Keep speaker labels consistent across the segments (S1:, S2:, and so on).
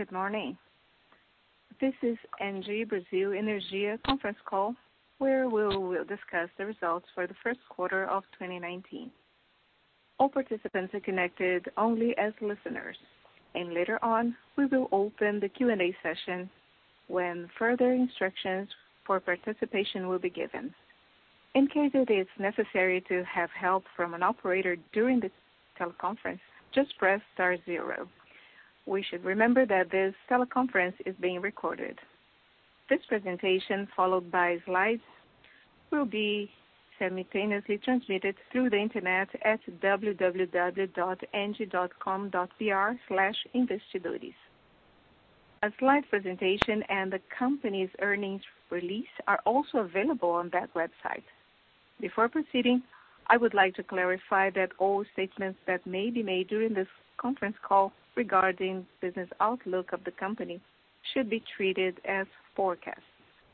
S1: Good morning. This is ENGIE Brasil Energia conference call, where we will discuss the results for the first quarter of 2019. All participants are connected only as listeners, and later on, we will open the Q&A session when further instructions for participation will be given. In case it is necessary to have help from an operator during the teleconference, just press star zero. We should remember that this teleconference is being recorded. This presentation, followed by slides, will be simultaneously transmitted through the internet at www.engie.com.br/investidores. A slide presentation and the company's earnings release are also available on that website. Before proceeding, I would like to clarify that all statements that may be made during this conference call regarding the business outlook of the company should be treated as forecasts,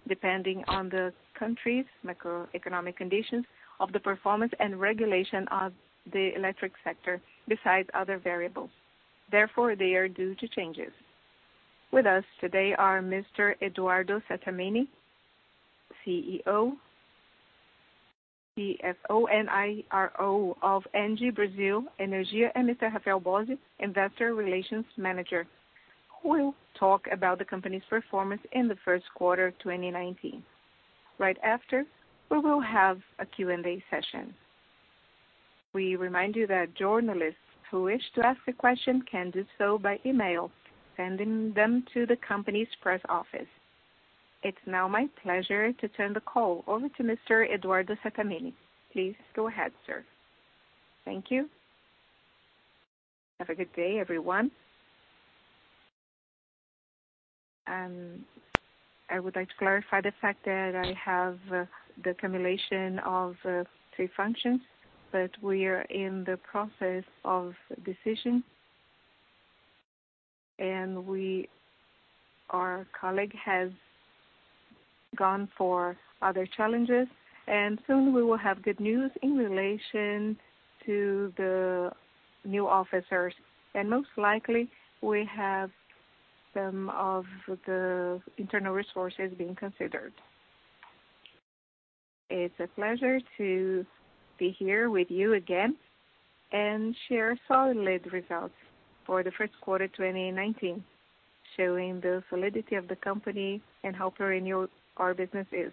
S1: depending on the country's macroeconomic conditions, the performance, and regulation of the electric sector, besides other variables. Therefore, they are due to changes. With us today are Mr. Eduardo Sattamini, CEO, CFO and IRO of ENGIE Brasil Energia, and Mr. Rafael Bósio, Investor Relations Manager, who will talk about the company's performance in the first quarter of 2019. Right after, we will have a Q&A session. We remind you that journalists who wish to ask a question can do so by email, sending them to the company's press office. It is now my pleasure to turn the call over to Mr. Eduardo Sattamini. Please go ahead, sir.
S2: Thank you. Have a good day, everyone. I would like to clarify the fact that I have the accumulation of three functions, but we are in the process of decision, and our colleague has gone for other challenges. Soon, we will have good news in relation to the new officers, and most likely, we have some of the internal resources being considered. It's a pleasure to be here with you again and share solid results for the first quarter of 2019, showing the solidity of the company and how perennial our business is.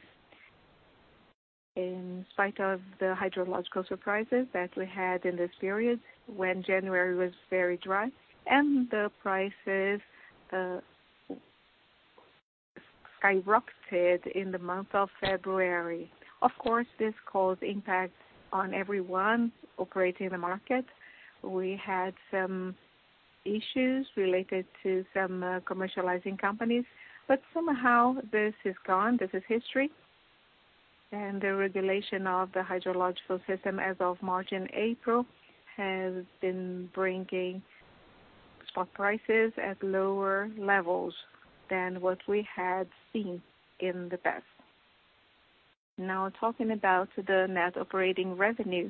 S2: In spite of the hydrological surprises that we had in this period when January was very dry and the prices skyrocketed in the month of February, of course, this caused impact on everyone operating in the market. We had some issues related to some commercializing companies, but somehow, this is gone. This is history. The regulation of the hydrological system as of March and April has been bringing spot prices at lower levels than what we had seen in the past. Now, talking about the net operating revenue,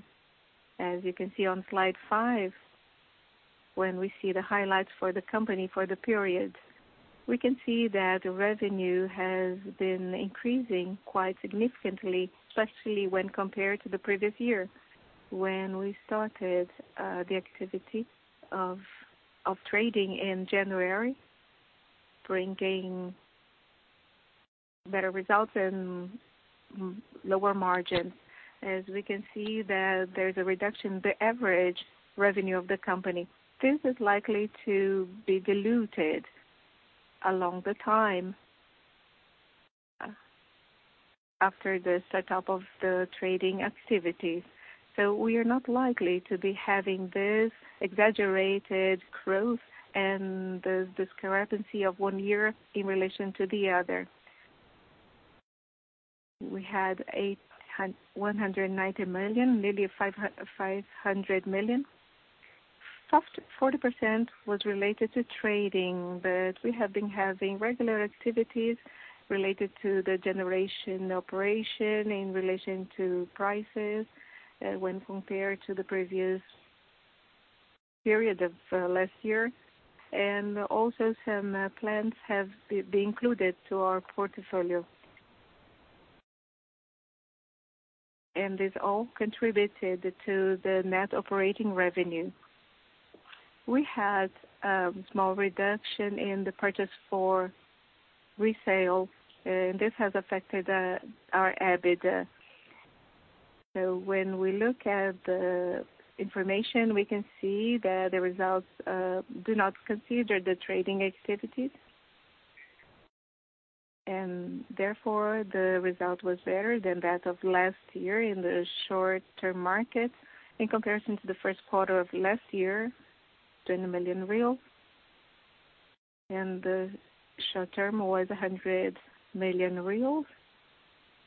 S2: as you can see on slide five, when we see the highlights for the company for the period, we can see that the revenue has been increasing quite significantly, especially when compared to the previous year when we started the activity of trading in January, bringing better results and lower margins. As we can see, there is a reduction in the average revenue of the company. This is likely to be diluted along the time after the start-up of the trading activity. We are not likely to be having this exaggerated growth and this discrepancy of one year in relation to the other. We had 190 million, nearly 500 million. 40% was related to trading, but we have been having regular activities related to the generation operation in relation to prices when compared to the previous period of last year. Also, some plants have been included to our portfolio, and this all contributed to the net operating revenue. We had a small reduction in the purchase for resale, and this has affected our EBITDA. When we look at the information, we can see that the results do not consider the trading activities. Therefore, the result was better than that of last year in the short-term market in comparison to the first quarter of last year, 20 million reais, and the short-term was 100 million reais.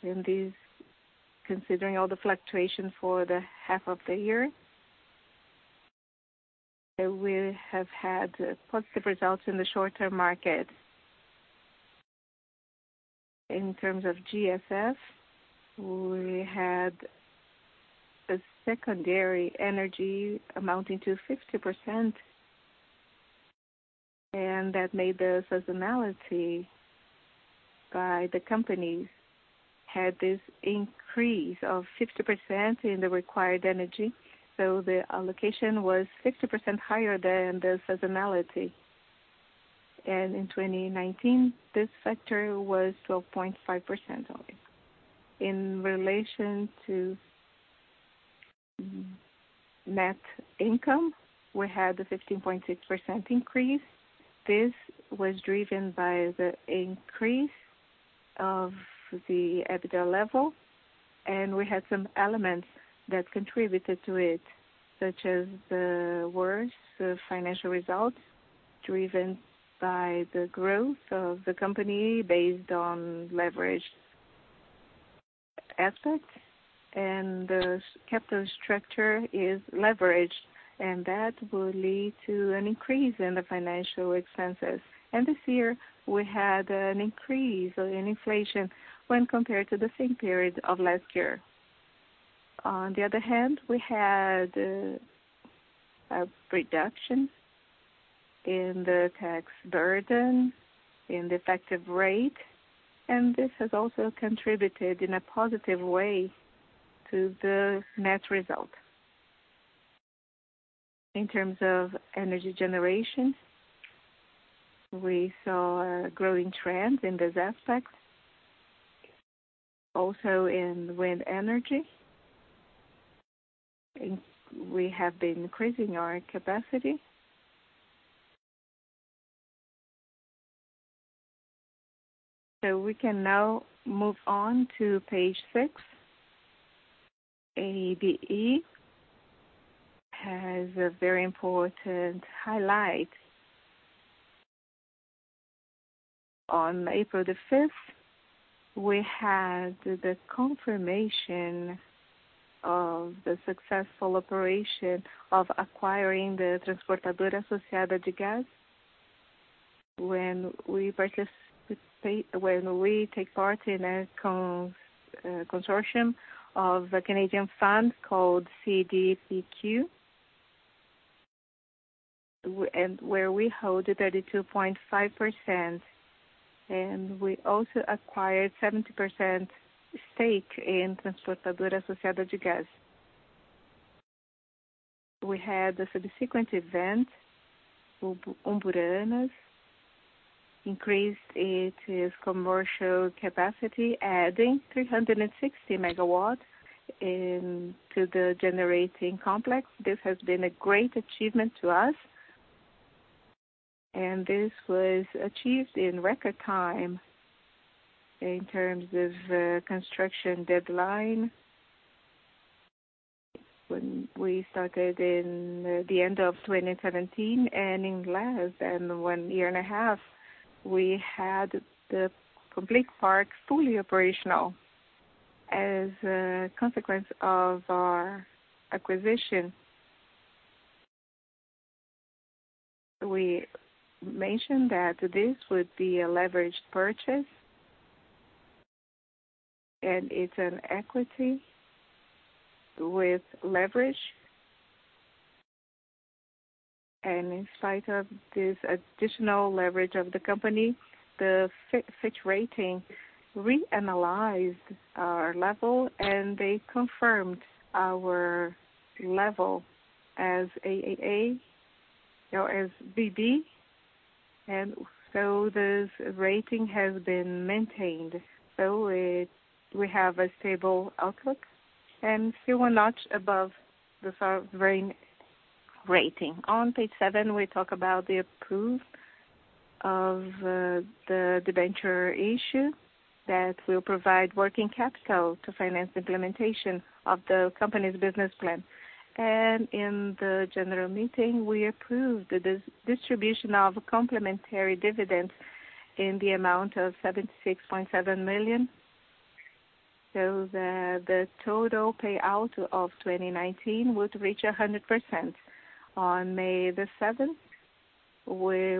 S2: This, considering all the fluctuations for half of the year, we have had positive results in the short-term market. In terms of GSF, we had a secondary energy amounting to 50%, and that made the seasonality by the companies had this increase of 50% in the required energy. The allocation was 50% higher than the seasonality. In 2019, this factor was 12.5% only. In relation to net income, we had a 15.6% increase. This was driven by the increase of the EBITDA level, and we had some elements that contributed to it, such as the worse financial results driven by the growth of the company based on leverage aspect. The capital structure is leveraged, and that will lead to an increase in the financial expenses. This year, we had an increase in inflation when compared to the same period of last year. On the other hand, we had a reduction in the tax burden, in the effective rate, and this has also contributed in a positive way to the net result. In terms of energy generation, we saw a growing trend in this aspect. Also, in wind energy, we have been increasing our capacity. We can now move on to page six. ABE has a very important highlight. On April the 5th, we had the confirmation of the successful operation of acquiring the Transportadora Associada de Gás. When we take part in a consortium of a Canadian fund called CDPQ, where we hold 32.5%, and we also acquired 70% stake in Transportadora Associada de Gás. We had the subsequent event, Umburanas increased its commercial capacity, adding 360 MW to the generating complex. This has been a great achievement to us, and this was achieved in record time in terms of construction deadline. When we started in the end of 2017 and in last, and one year and a half, we had the complete park fully operational as a consequence of our acquisition. We mentioned that this would be a leveraged purchase, and it's an equity with leverage. In spite of this additional leverage of the company, the Fitch Ratings reanalyzed our level, and they confirmed our level as AAA or as BB. This rating has been maintained. We have a stable outlook and still one notch above the sovereign rating. On page seven, we talk about the approval of the debenture issue that will provide working capital to finance implementation of the company's business plan. In the general meeting, we approved the distribution of complementary dividends in the amount of 76.7 million. The total payout of 2019 would reach 100%. On May the 7th, we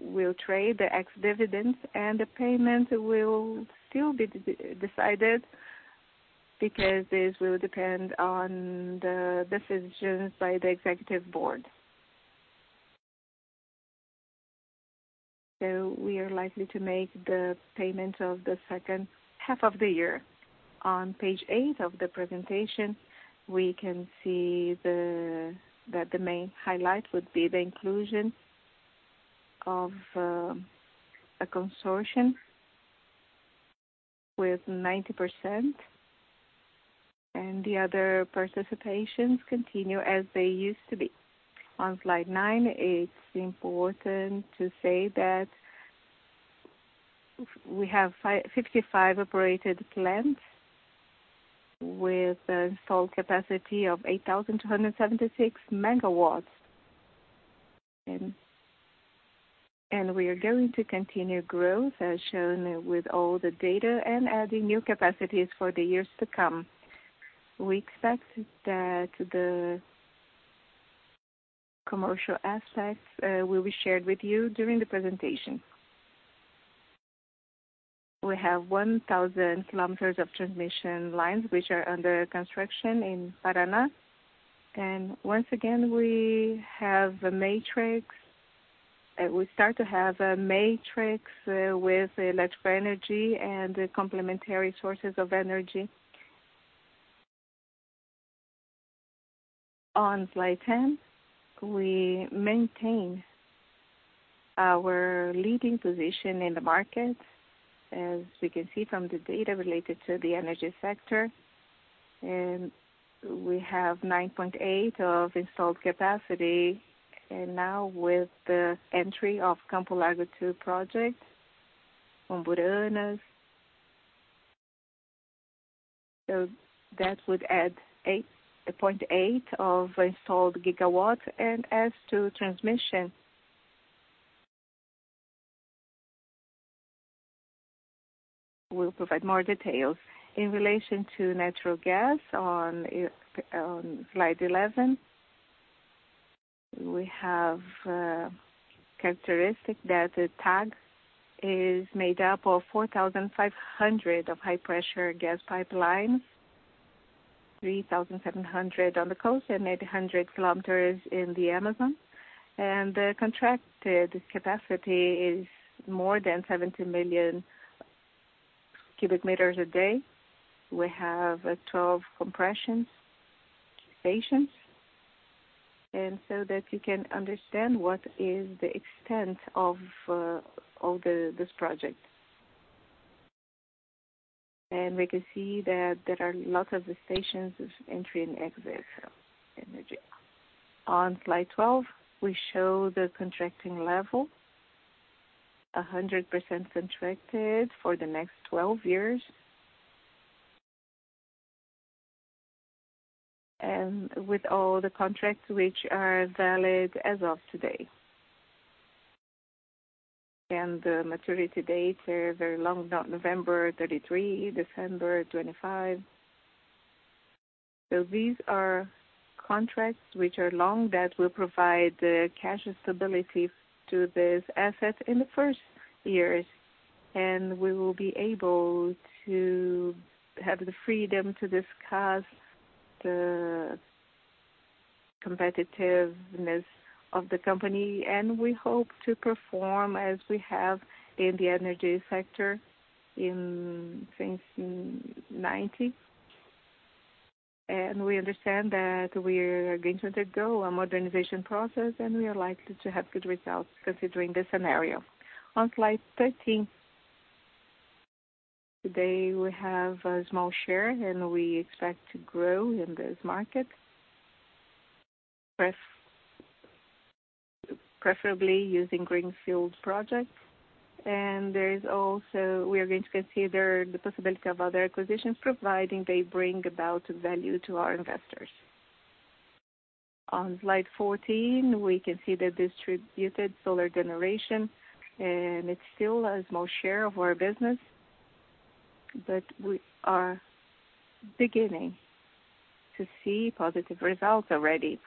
S2: will trade the ex-dividends, and the payment will still be decided because this will depend on the decisions by the Executive Board. We are likely to make the payment of the second half of the year. On page eight of the presentation, we can see that the main highlight would be the inclusion of a consortium with 90%, and the other participations continue as they used to be. On slide nine, it's important to say that we have 55 operated plants with installed capacity of 8,276 MW. We are going to continue growth, as shown with all the data, and adding new capacities for the years to come. We expect that the commercial aspects will be shared with you during the presentation. We have 1,000 km of transmission lines which are under construction in Paraná. Once again, we have a matrix. We start to have a matrix with electrical energy and complementary sources of energy. On slide 10, we maintain our leading position in the market, as we can see from the data related to the energy sector. We have 9.8 of installed capacity. Now, with the entry of Campo Largo 2 project, Umburanas, that would add 8.8 of installed gigawatts, and as to transmission, we'll provide more details. In relation to natural gas, on slide 11, we have a characteristic that the TAG is made up of 4,500 km of high-pressure gas pipelines, 3,700 km on the coast, and 800 km in the Amazon. The contracted capacity is more than 70 million cubic meters a day. We have 12 compression stations, so that you can understand what is the extent of all this project. We can see that there are lots of stations entering and exiting energy. On slide 12, we show the contracting level, 100% contracted for the next 12 years, and with all the contracts which are valid as of today. The maturity dates are very long, November 2033, December 2025. These are contracts which are long that will provide cash stability to this asset in the first years. We will be able to have the freedom to discuss the competitiveness of the company. We hope to perform as we have in the energy sector in 2019. We understand that we are going to undergo a modernization process, and we are likely to have good results considering this scenario. On slide 13, today we have a small share, and we expect to grow in this market, preferably using greenfield projects. There is also the possibility of other acquisitions, provided they bring about value to our investors. On slide 14, we can see the distributed solar generation, and it is still a small share of our business, but we are beginning to see positive results already.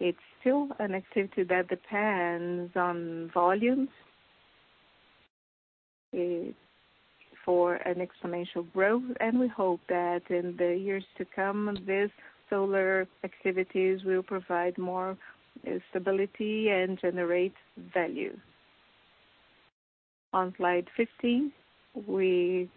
S2: It's still an activity that depends on volumes for an exponential growth. We hope that in the years to come, these solar activities will provide more stability and generate value. On slide 15, we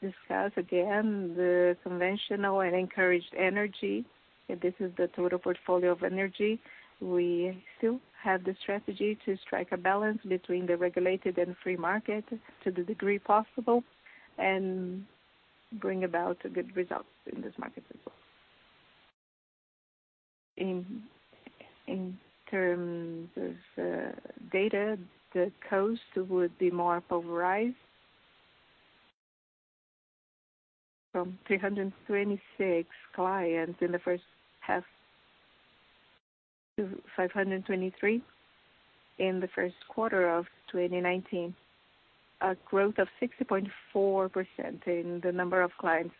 S2: discuss again the conventional and encouraged energy. This is the total portfolio of energy. We still have the strategy to strike a balance between the regulated and free market to the degree possible and bring about good results in this market as well. In terms of data, the cost would be more polarized from 326 clients in the first half to 523 in the first quarter of 2019, a growth of 60.4% in the number of clients.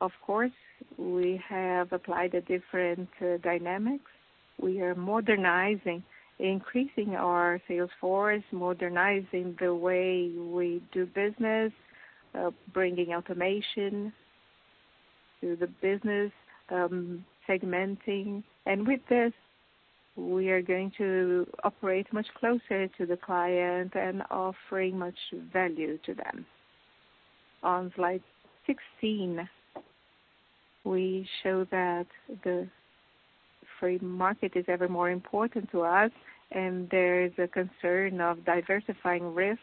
S2: Of course, we have applied different dynamics. We are modernizing, increasing our sales force, modernizing the way we do business, bringing automation to the business, segmenting. With this, we are going to operate much closer to the client and offering much value to them. On slide 16, we show that the free market is ever more important to us, and there is a concern of diversifying risk.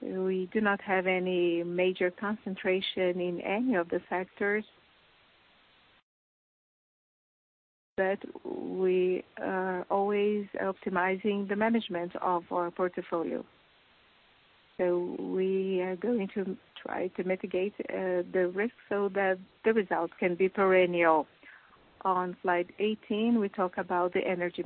S2: We do not have any major concentration in any of the sectors, but we are always optimizing the management of our portfolio. We are going to try to mitigate the risk so that the results can be perennial. On slide 18, we talk about the energy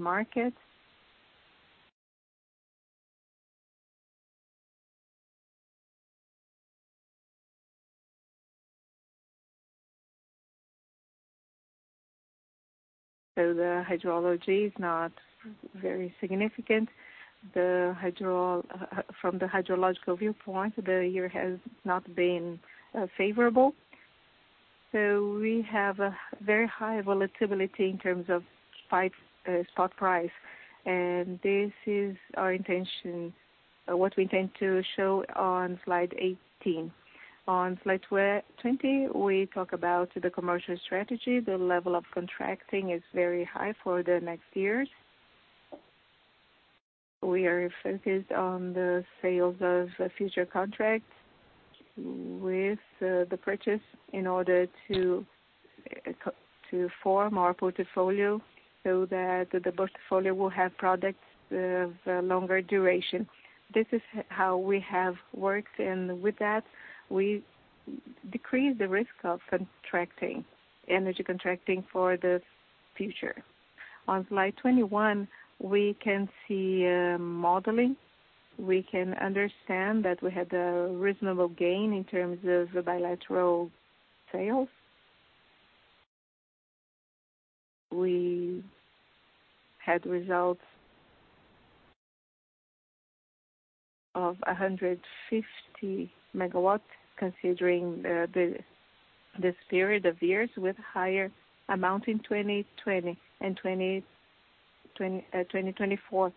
S2: market. The hydrology is not very significant. From the hydrological viewpoint, the year has not been favorable. We have a very high volatility in terms of spot price. This is our intention, what we intend to show on slide 18. On slide 20, we talk about the commercial strategy. The level of contracting is very high for the next years. We are focused on the sales of future contracts with the purchase in order to form our portfolio so that the portfolio will have products of longer duration. This is how we have worked. With that, we decrease the risk of contracting, energy contracting for the future. On slide 21, we can see modeling. We can understand that we had a reasonable gain in terms of bilateral sales. We had results of 150 MW considering this period of years with higher amount in 2020 and 2024,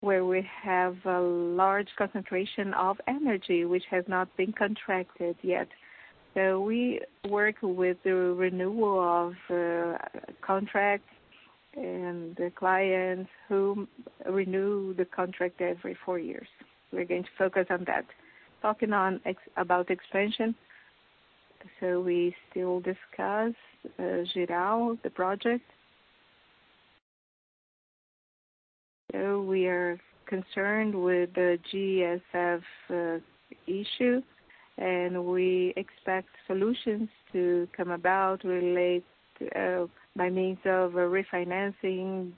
S2: where we have a large concentration of energy which has not been contracted yet. We work with the renewal of contracts and the clients who renew the contract every four years. We are going to focus on that. Talking about expansion, we still discuss Gralha, the project. We are concerned with the GSF issue, and we expect solutions to come about related by means of refinancing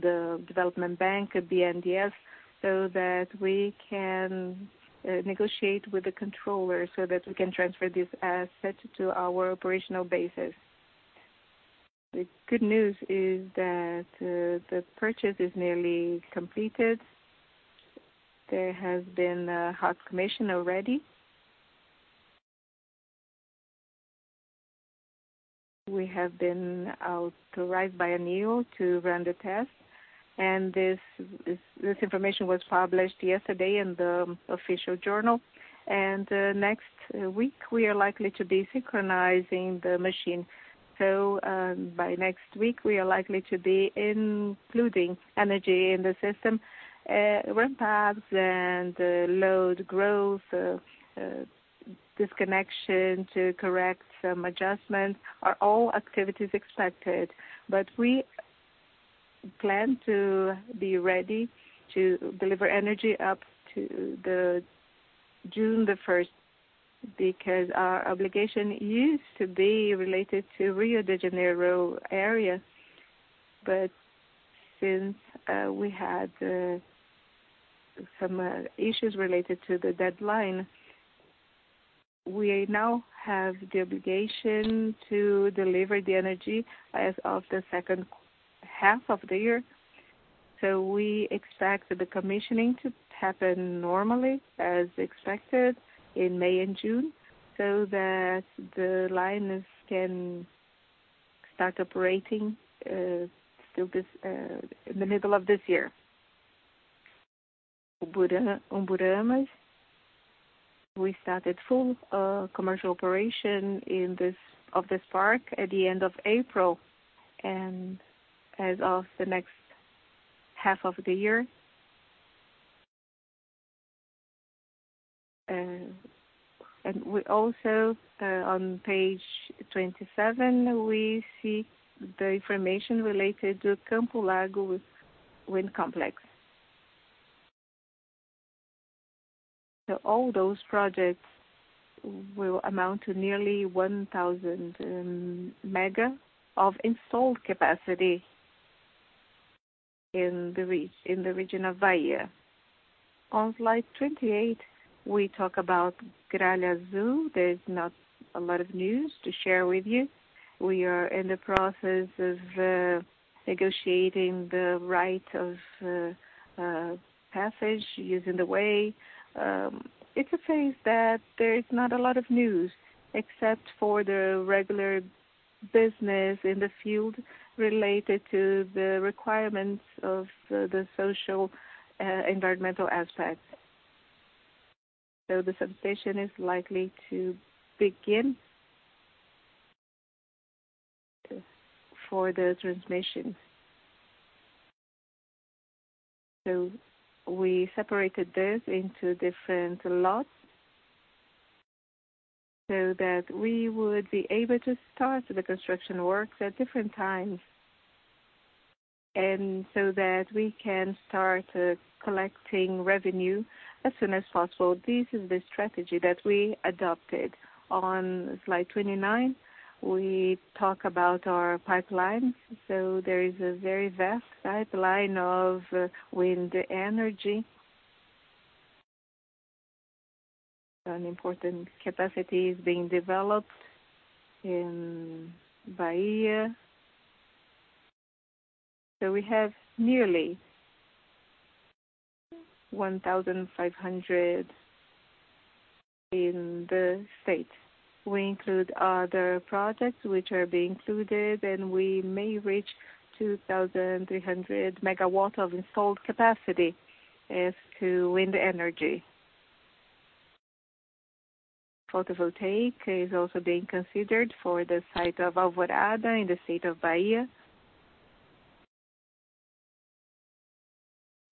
S2: the development bank, BNDES, so that we can negotiate with the controller so that we can transfer this asset to our operational basis. The good news is that the purchase is nearly completed. There has been a hot commission already. We have been authorized by ANEEL to run the test. This information was published yesterday in the official journal. Next week, we are likely to be synchronizing the machine. By next week, we are likely to be including energy in the system, ramp-ups and load growth, disconnection to correct some adjustments are all activities expected. We plan to be ready to deliver energy up to June the 1st because our obligation used to be related to Rio de Janeiro area. Since we had some issues related to the deadline, we now have the obligation to deliver the energy as of the second half of the year. We expect the commissioning to happen normally as expected in May and June so that the lines can start operating still in the middle of this year. Umburanas, we started full commercial operation of this park at the end of April and as of the next half of the year. We also, on page 27, see the information related to Campo Largo Wind Complex. All those projects will amount to nearly 1,000 MW of installed capacity in the region of Bahia. On slide 28, we talk about Gralha Azul. There is not a lot of news to share with you. We are in the process of negotiating the right of passage using the way. It's a phase that there is not a lot of news except for the regular business in the field related to the requirements of the social environmental aspects. The transmission is likely to begin for the transmission. We separated this into different lots so that we would be able to start the construction works at different times and so that we can start collecting revenue as soon as possible. This is the strategy that we adopted. On slide 29, we talk about our pipelines. There is a very vast pipeline of wind energy. An important capacity is being developed in Bahia. We have nearly 1,500 MW in the state. We include other projects which are being included, and we may reach 2,300 MW of installed capacity as to wind energy. Photovoltaic is also being considered for the site of Alvorada in the state of Bahia.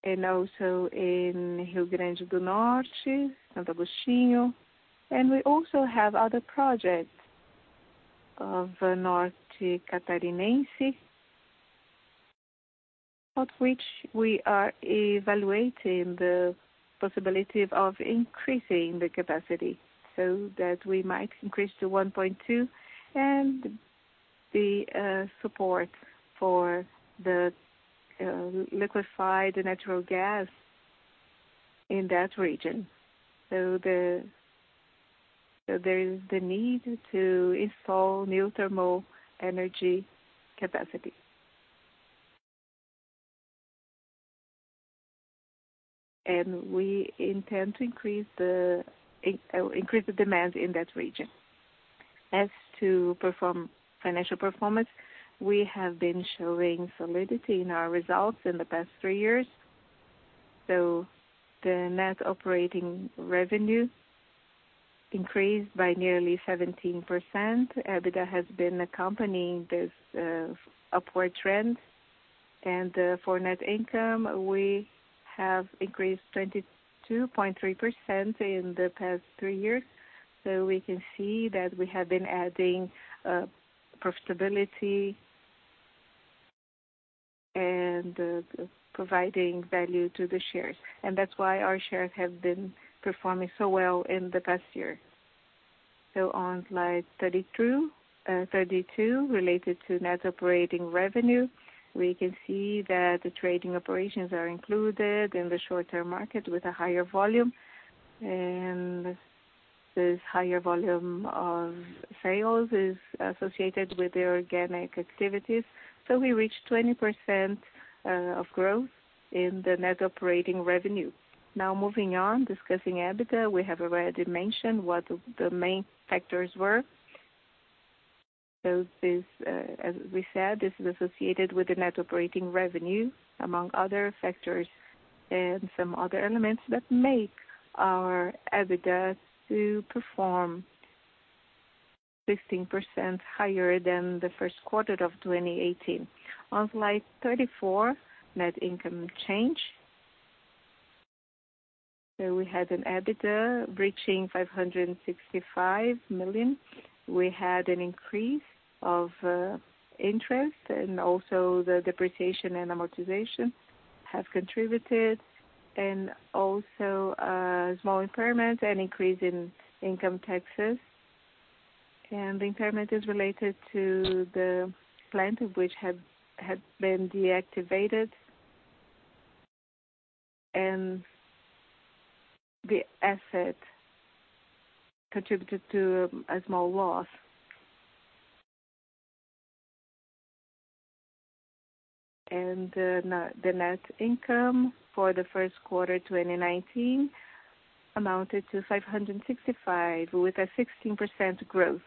S2: Also in Rio Grande do Norte, Santa Agostinho. We also have other projects of Norte Catarinense, of which we are evaluating the possibility of increasing the capacity so that we might increase to 1.2 and the support for the liquefied natural gas in that region. There is the need to install new thermal energy capacity. We intend to increase the demand in that region. As to financial performance, we have been showing solidity in our results in the past three years. The net operating revenue increased by nearly 17%. EBITDA has been accompanying this upward trend. For net income, we have increased 22.3% in the past three years. We can see that we have been adding profitability and providing value to the shares. That is why our shares have been performing so well in the past year. On slide 32, related to net operating revenue, we can see that the trading operations are included in the short-term market with a higher volume. This higher volume of sales is associated with the organic activities. We reached 20% of growth in the net operating revenue. Now moving on, discussing EBITDA, we have already mentioned what the main factors were. As we said, this is associated with the net operating revenue among other factors and some other elements that make our EBITDA perform 15% higher than the first quarter of 2018. On slide 34, net income change. We had an EBITDA reaching 565 million. We had an increase of interest, and also the depreciation and amortization have contributed. Also a small impairment and increase in income taxes. The impairment is related to the plant which had been deactivated. The asset contributed to a small loss. The net income for the first quarter 2019 amounted to 565 million with a 16% growth.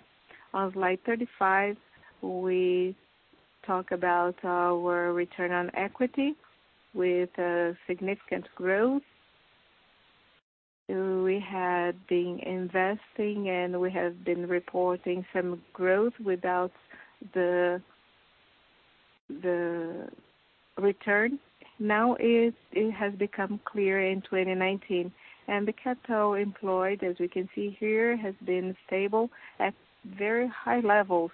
S2: On slide 35, we talk about our return on equity with significant growth. We had been investing, and we have been reporting some growth without the return. Now it has become clear in 2019. The capital employed, as we can see here, has been stable at very high levels.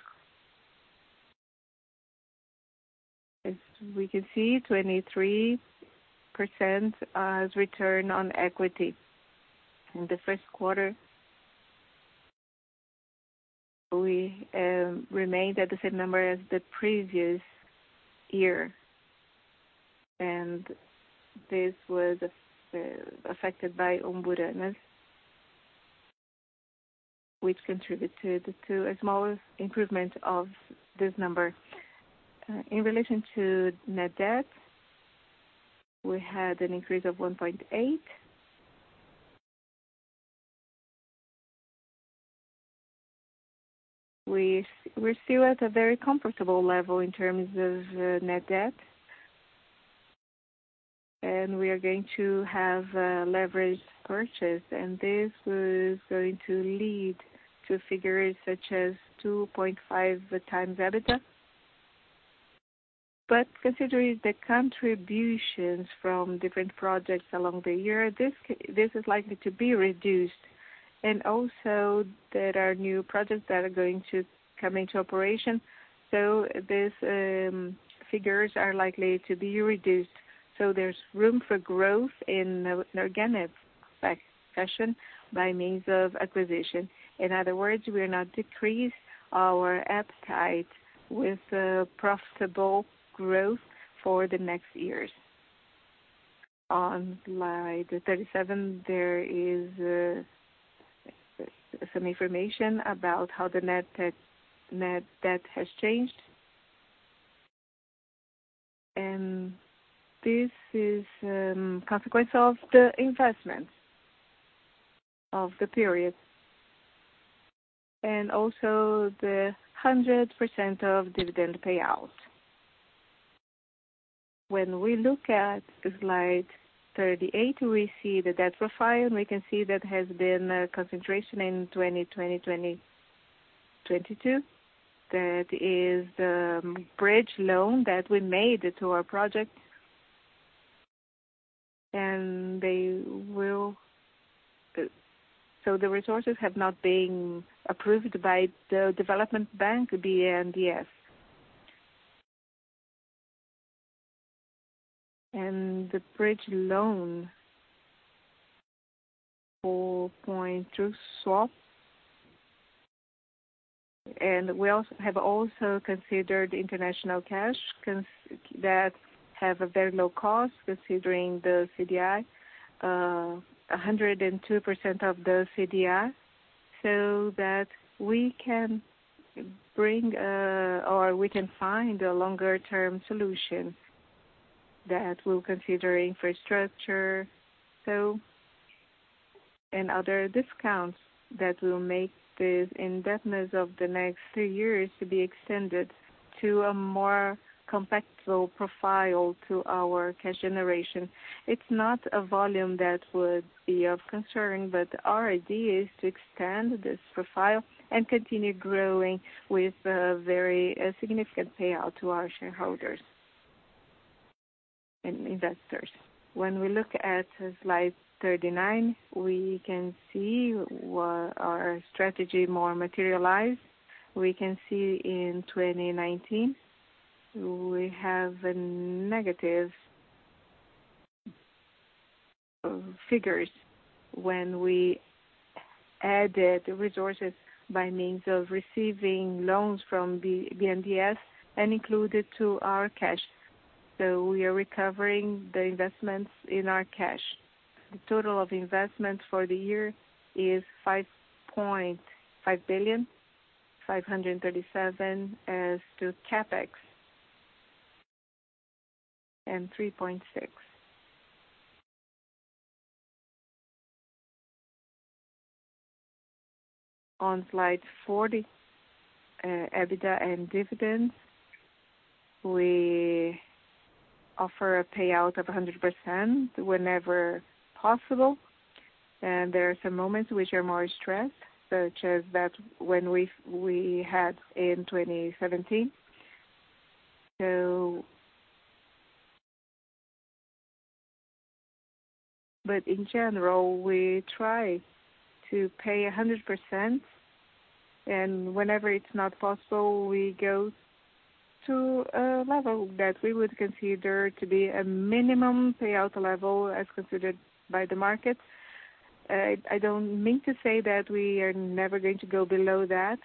S2: As we can see, 23% has returned on equity in the first quarter. We remained at the same number as the previous year. This was affected by Umburanas, which contributed to a small improvement of this number. In relation to net debt, we had an increase of 1.8. We are still at a very comfortable level in terms of net debt. We are going to have leverage purchase. This was going to lead to figures such as 2.5x EBITDA. Considering the contributions from different projects along the year, this is likely to be reduced. There are new projects that are going to come into operation. These figures are likely to be reduced. There is room for growth in the organic section by means of acquisition. In other words, we are not decreasing our appetite with profitable growth for the next years. On slide 37, there is some information about how the net debt has changed. This is a consequence of the investment of the period and also the 100% of dividend payout. When we look at slide 38, we see the debt profile. We can see that there has been a concentration in 2020-2022. That is the bridge loan that we made to our project. The resources have not been approved by the development bank, BNDES. The bridge loan, 4.2 swap. We have also considered international cash that have a very low cost considering the CDI, 102% of the CDI, so that we can bring or we can find a longer-term solution that will consider infrastructure and other discounts that will make the indebtedness of the next three years to be extended to a more compatible profile to our cash generation. It is not a volume that would be of concern, but our idea is to extend this profile and continue growing with a very significant payout to our shareholders and investors. When we look at slide 39, we can see our strategy more materialized. We can see in 2019, we have negative figures when we added resources by means of receiving loans from BNDES and included to our cash. We are recovering the investments in our cash. The total of investments for the year is 5.5 billion, 537 million as to CapEx, and 3.6 billion. On slide 40, EBITDA and dividends, we offer a payout of 100% whenever possible. There are some moments which are more stressed, such as that which we had in 2017. In general, we try to pay 100%. Whenever it's not possible, we go to a level that we would consider to be a minimum payout level as considered by the market. I don't mean to say that we are never going to go below that,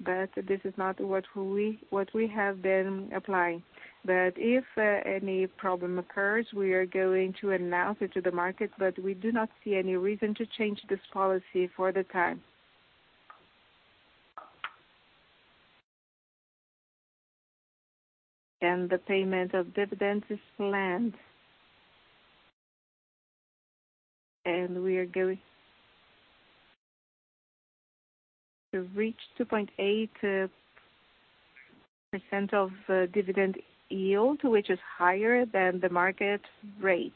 S2: but this is not what we have been applying. If any problem occurs, we are going to announce it to the market, but we do not see any reason to change this policy for the time. The payment of dividends is planned. We are going to reach 2.8% of dividend yield, which is higher than the market rate.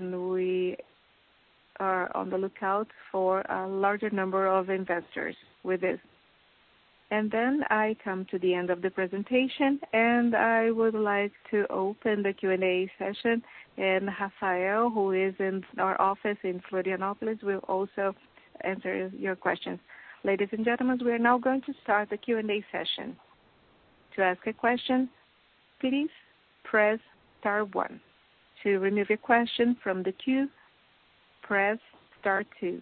S2: We are on the lookout for a larger number of investors with this. I come to the end of the presentation, and I would like to open the Q&A session. Rafael, who is in our office in Florianópolis, will also answer your questions.
S1: Ladies and gentlemen, we are now going to start the Q&A session. To ask a question, please press star one. To remove your question from the queue, press star two.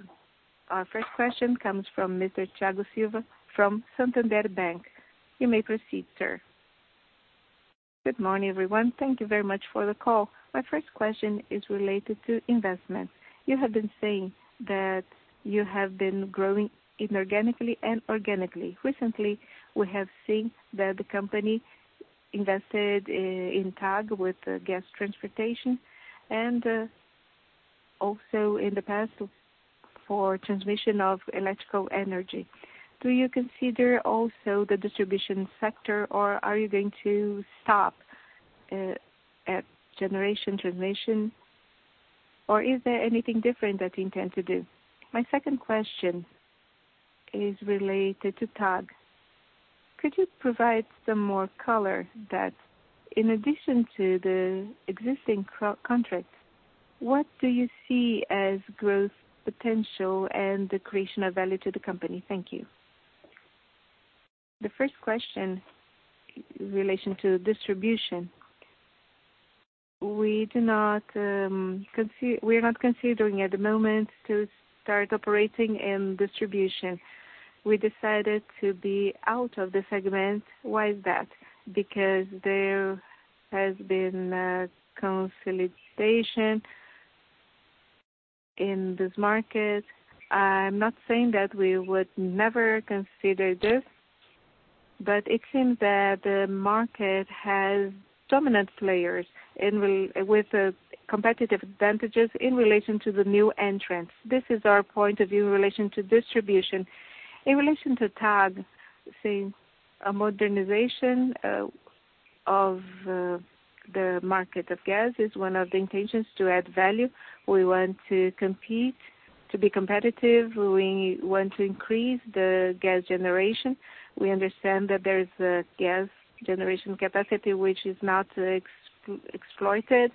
S1: Our first question comes from Mr. Thiago Silva from Santander Bank. You may proceed, sir.
S3: Good morning, everyone. Thank you very much for the call. My first question is related to investments. You have been saying that you have been growing inorganically and organically. Recently, we have seen that the company invested in TAG with gas transportation and also in the past for transmission of electrical energy. Do you consider also the distribution sector, or are you going to stop at generation transmission, or is there anything different that you intend to do? My second question is related to TAG. Could you provide some more color that in addition to the existing contract, what do you see as growth potential and the creation of value to the company? Thank you.
S2: The first question in relation to distribution, we are not considering at the moment to start operating in distribution. We decided to be out of the segment. Why is that? Because there has been consolidation in this market. I'm not saying that we would never consider this, but it seems that the market has dominant players with competitive advantages in relation to the new entrants. This is our point of view in relation to distribution. In relation to TAG, seeing a modernization of the market of gas is one of the intentions to add value. We want to compete to be competitive. We want to increase the gas generation. We understand that there is a gas generation capacity which is not exploited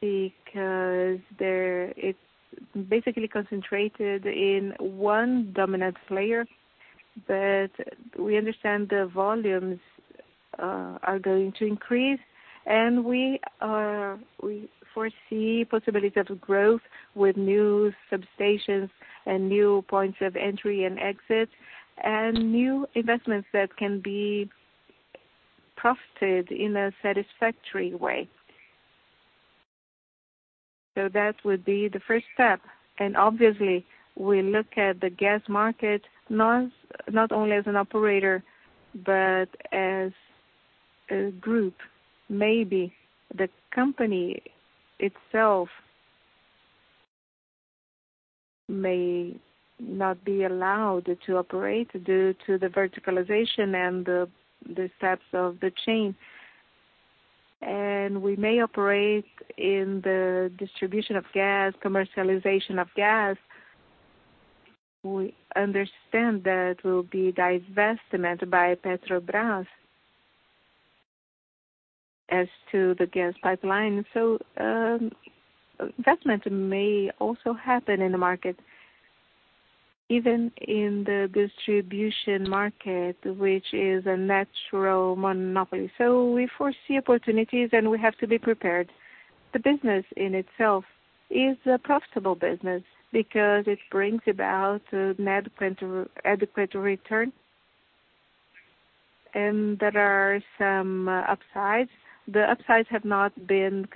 S2: because it's basically concentrated in one dominant player. We understand the volumes are going to increase, and we foresee the possibility of growth with new substations and new points of entry and exit and new investments that can be profited in a satisfactory way. That would be the first step. Obviously, we look at the gas market not only as an operator, but as a group. Maybe the company itself may not be allowed to operate due to the verticalization and the steps of the chain. We may operate in the distribution of gas, commercialization of gas. We understand that there will be divestment by Petrobrás as to the gas pipeline. Investment may also happen in the market, even in the distribution market, which is a natural monopoly. We foresee opportunities, and we have to be prepared. The business in itself is a profitable business because it brings about an adequate return. There are some upsides. The upsides have not been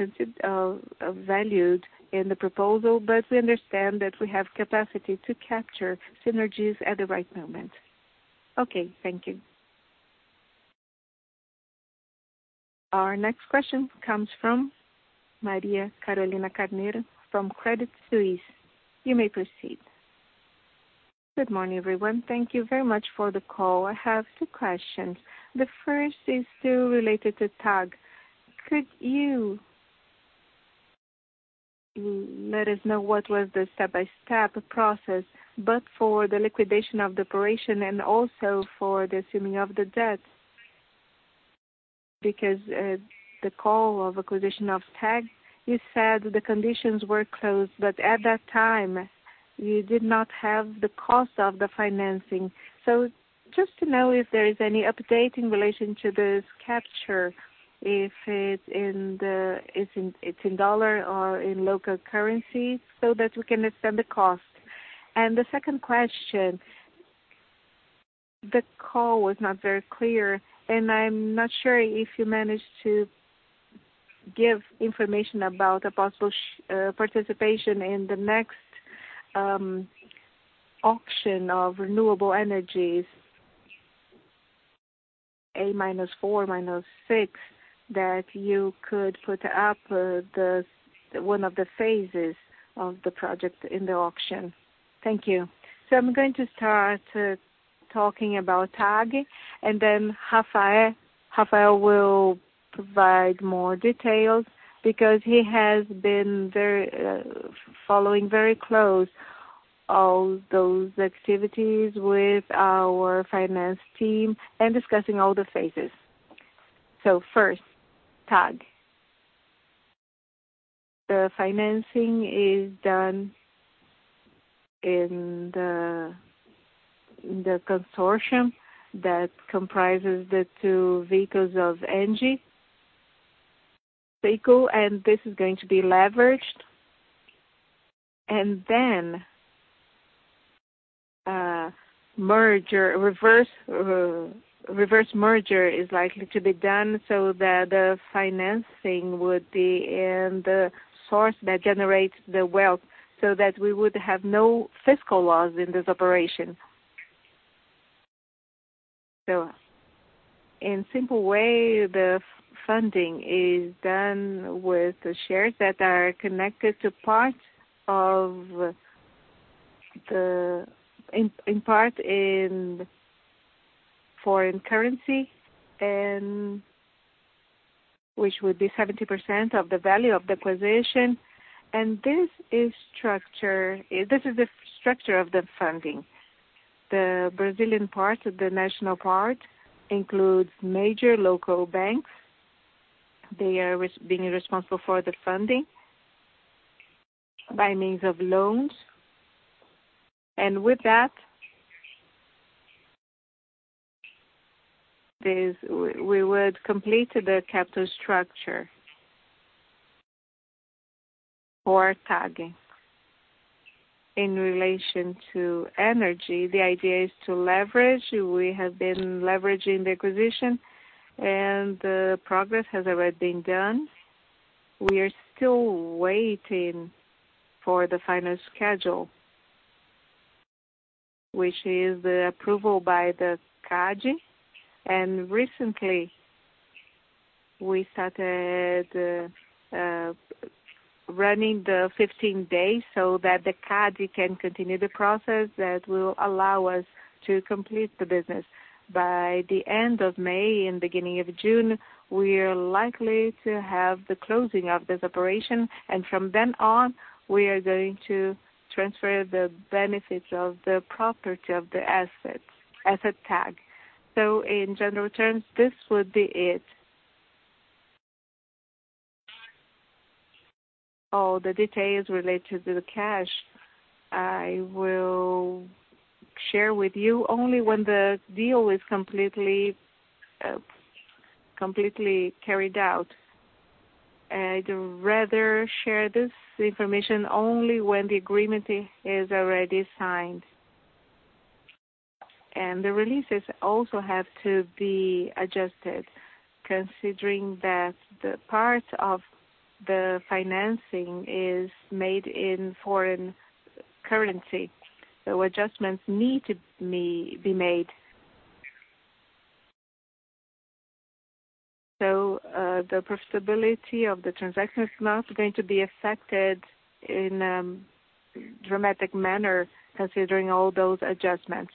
S2: valued in the proposal, but we understand that we have capacity to capture synergies at the right moment.
S3: Okay, thank you.
S1: Our next question comes from Maria Carolina Carneiro from Credit Suisse. You may proceed.
S4: Good morning, everyone. Thank you very much for the call. I have two questions. The first is still related to TAG. Could you let us know what was the step-by-step process, both for the liquidation of the operation and also for the assuming of the debt? Because the call of acquisition of TAG, you said the conditions were closed, but at that time, you did not have the cost of the financing. Just to know if there is any update in relation to this capture, if it's in dollar or in local currency, so that we can extend the cost. The second question, the call was not very clear, and I'm not sure if you managed to give information about a possible participation in the next auction of renewable energies, A-4, -6, that you could put up one of the phases of the project in the auction. Thank you.
S2: I am going to start talking about TAG, and then Rafael will provide more details because he has been following very close all those activities with our finance team and discussing all the phases. First, TAG. The financing is done in the consortium that comprises the two vehicles of ENGIE, and this is going to be leveraged. A reverse merger is likely to be done so that the financing would be in the source that generates the wealth so that we would have no fiscal loss in this operation. In a simple way, the funding is done with the shares that are connected to part of the in part in foreign currency, which would be 70% of the value of the acquisition. This is the structure of the funding. The Brazilian part, the national part, includes major local banks. They are being responsible for the funding by means of loans. With that, we would complete the capital structure for TAG. In relation to energy, the idea is to leverage. We have been leveraging the acquisition, and the progress has already been done. We are still waiting for the final schedule, which is the approval by CADE. Recently, we started running the 15 days so that CADE can continue the process that will allow us to complete the business. By the end of May and beginning of June, we are likely to have the closing of this operation. From then on, we are going to transfer the benefits of the property of the assets, asset TAG. In general terms, this would be it. All the details related to the cash, I will share with you only when the deal is completely carried out. I'd rather share this information only when the agreement is already signed. The releases also have to be adjusted, considering that the part of the financing is made in foreign currency. Adjustments need to be made. The profitability of the transaction is not going to be affected in a dramatic manner, considering all those adjustments.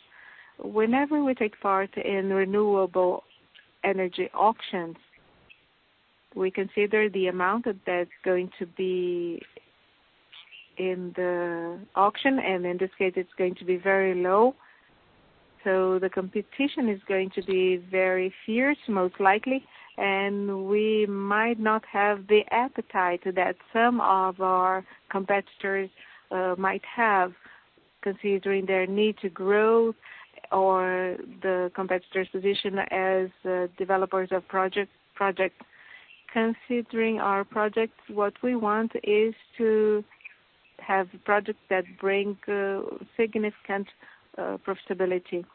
S2: Whenever we take part in renewable energy auctions, we consider the amount that's going to be in the auction, and in this case, it's going to be very low. The competition is going to be very fierce, most likely, and we might not have the appetite that some of our competitors might have, considering their need to grow or the competitors' position as developers of projects. Considering our projects, what we want is to have projects that bring significant profitability.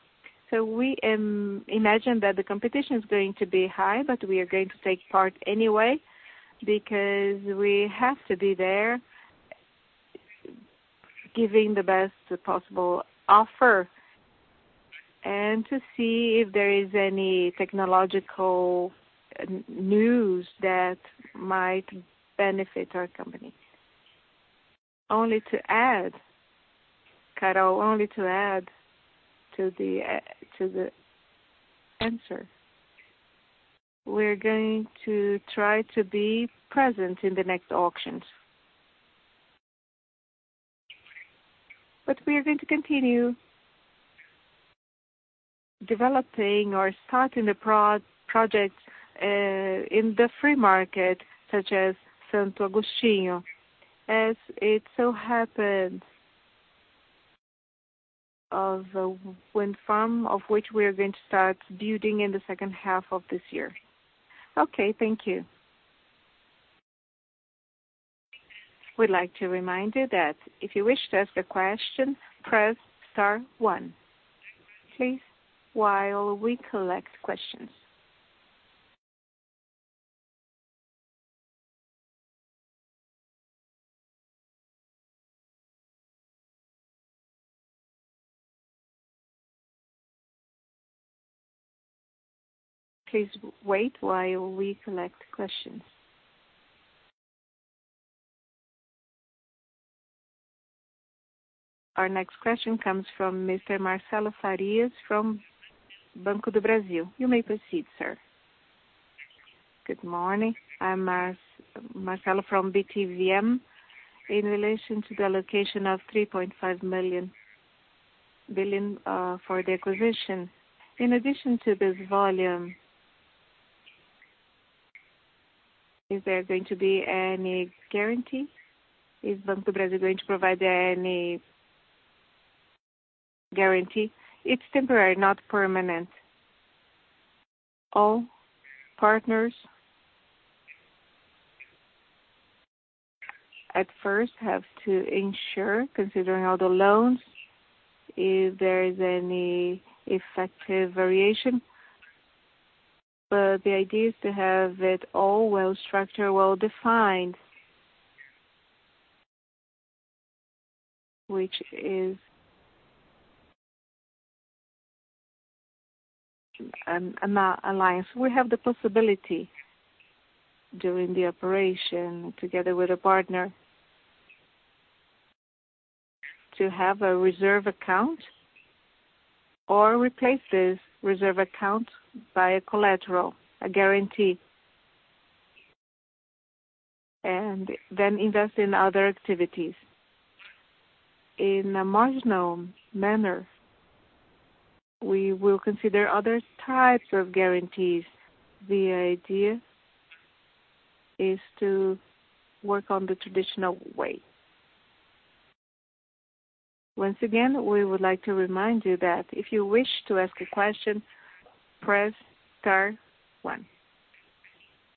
S2: We imagine that the competition is going to be high, but we are going to take part anyway because we have to be there giving the best possible offer and to see if there is any technological news that might benefit our company. Only to add, Carol, only to add to the answer, we're going to try to be present in the next auctions. We are going to continue developing or starting the projects in the free market, such as Santo Agostinho, as it so happens of wind farm, of which we are going to start building in the second half of this year.
S4: Okay, thank you.
S1: We'd like to remind you that if you wish to ask a question, press star one, please, while we collect questions. Please wait while we collect questions. Our next q`uestion comes from Mr. Marcelo Farias from Banco do Brasil. You may proceed, sir.
S5: Good morning. I'm Marcelo from BTVM. In relation to the allocation of 3.5 billion for the acquisition, in addition to this volume, is there going to be any guarantee? Is Banco do Brasil going to provide any guarantee?
S2: It's temporary, not permanent. All partners at first have to ensure, considering all the loans, if there is any effective variation. The idea is to have it all well-structured, well-defined, which is an alliance. We have the possibility during the operation, together with a partner, to have a reserve account or replace this reserve account by a collateral, a guarantee, and then invest in other activities. In a marginal manner, we will consider other types of guarantees. The idea is to work on the traditional way.
S1: Once again, we would like to remind you that if you wish to ask a question, press star one.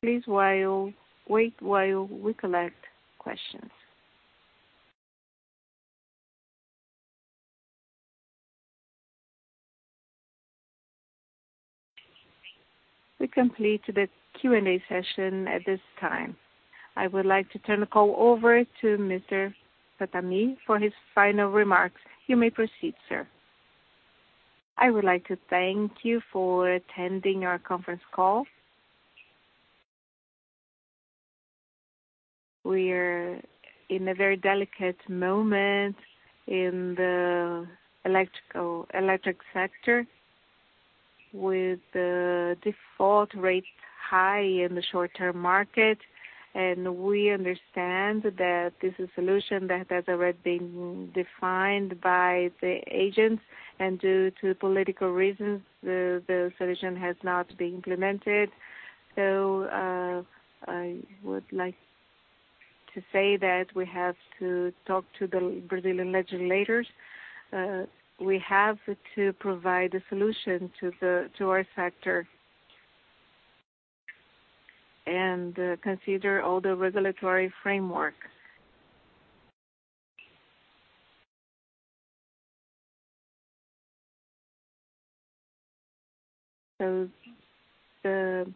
S1: Please wait while we collect questions. We complete the Q&A session at this time. I would like to turn the call over to Mr. Sattamini for his final remarks. You may proceed, sir.
S2: I would like to thank you for attending our conference call. We are in a very delicate moment in the electric sector with the default rate high in the short-term market, and we understand that this is a solution that has already been defined by the agents, and due to political reasons, the solution has not been implemented. I would like to say that we have to talk to the Brazilian legislators. We have to provide a solution to our sector and consider all the regulatory framework. The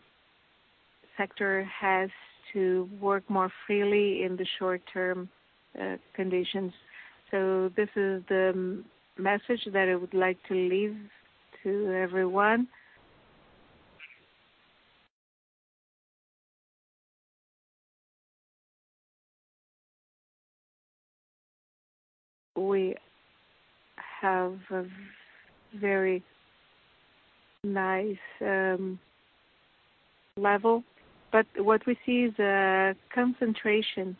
S2: sector has to work more freely in the short-term conditions. This is the message that I would like to leave to everyone. We have a very nice level, but what we see is a concentration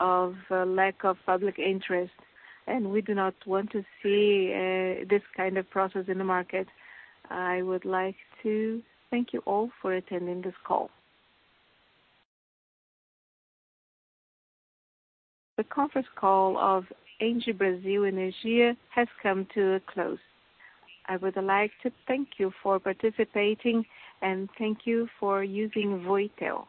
S2: of lack of public interest, and we do not want to see this kind of process in the market. I would like to thank you all for attending this call.
S1: The conference call of ENGIE Brasil Energia has come to a close. I would like to thank you for participating, and thank you for using Voitel.